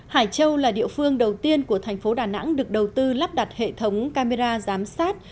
hải châu là địa phương đầu tiên của thành phố đà nẵng được đầu tư lắp đặt hệ thống camera giám sát